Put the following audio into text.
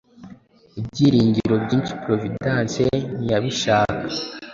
Ibyiringiro byinshi Providence ntiyabishaka